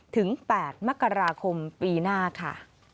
ถึง๘มกราคมปีหน้าค่ะ